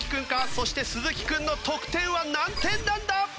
そして鈴木君の得点は何点なんだ？